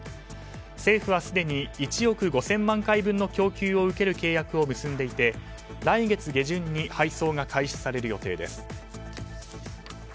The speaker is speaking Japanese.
政府は、すでに１億５０００万回分の供給を受ける契約を結んでいて来月下旬に配送が開始される予定です。